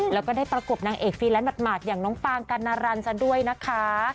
แล้วก็ได้ประกบนางเอกฟรีแลนซ์หมากอย่างน้องปางกันนารันซะด้วยนะคะ